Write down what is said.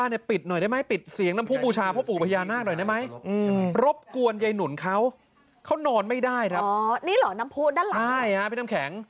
นี่เหรอน้ำผู้ด้านหลังใช่ฮะพี่น้ำแข็ง